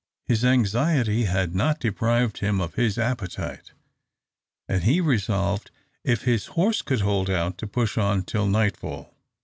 His anxiety had not deprived him of his appetite; and he resolved, if his horse could hold out, to push on till nightfall.